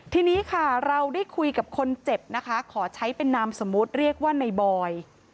ทีนี้ค่ะเราได้คุยกับคนเจ็บนะคะขอใช้เป็นนามสมมุติเรียกว่าในบอย